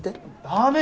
ダメ！